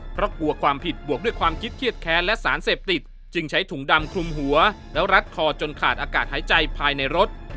เพราะกลัวความผิดบวกด้วยความคิดเครียดแค้นและสารเสพติดจึงใช้ถุงดำคลุมหัวแล้วรัดคอจนขาดอากาศหายใจภายในรถ